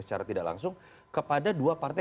secara tidak langsung kepada dua partai